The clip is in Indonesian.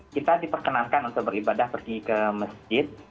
kita diperkenankan untuk beribadah pergi ke masjid